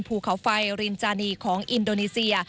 ภูเขาไฟรินจานีของอินโดนีเซีย